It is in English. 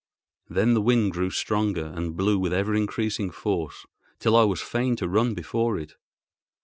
Then the wind grew stronger and blew with ever increasing force, till I was fain to run before it.